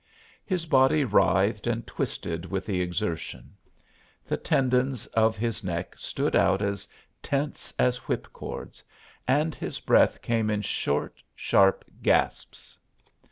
His body writhed and twisted with the exertion. The tendons of his neck stood out as tense as whip cords, and his breath came in short, sharp gasps.